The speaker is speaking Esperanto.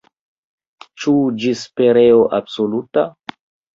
Ĉu ĝis pereo absoluta?